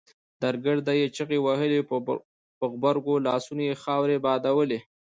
درګرده يې چيغې وهلې په غبرګو لاسونو يې خاورې بادولې.